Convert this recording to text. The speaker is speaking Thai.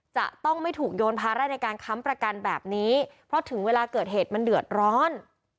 จะต้องไม่ถูกโยนภาระในการค้ำประกันแบบนี้เพราะถึงเวลาเกิดเหตุมันเดือดร้อน